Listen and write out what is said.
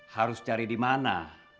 harus cari dimana